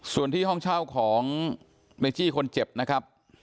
ส่วนที่ห้องเช่าของในจี้คนเจ็บนะครับ